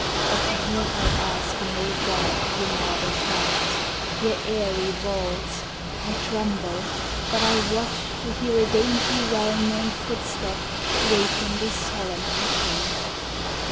Of you I ask no God, ye marble shafts, Ye airy vaults! I tremble but I watch To hear a dainty well known footstep waken The solemn echoes.